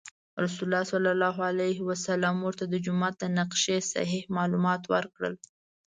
رسول الله صلی الله علیه وسلم ورته د جومات د نقشې صحیح معلومات ورکړل.